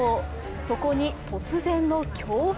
そこに突然の強風。